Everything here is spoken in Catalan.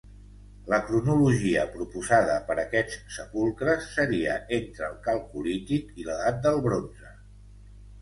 La cronologia proposada per aquests sepulcres seria entre el Calcolític i l’Edat del Bronze.